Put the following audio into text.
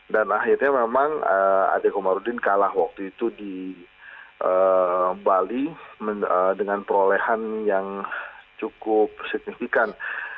dan akhirnya memang ade komarudin kalah waktu itu di bali dengan perolehan yang cukup signifikan